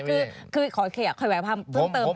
แต่คือขอเขียกค่อยแหวะความเพิ่มเติม